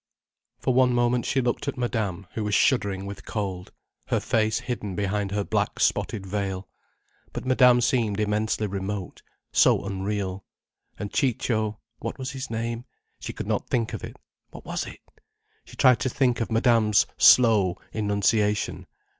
For one moment she looked at Madame, who was shuddering with cold, her face hidden behind her black spotted veil. But Madame seemed immensely remote: so unreal. And Ciccio—what was his name? She could not think of it. What was it? She tried to think of Madame's slow enunciation.